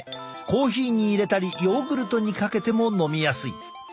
コーヒーに入れたりヨーグルトにかけても飲みやすい。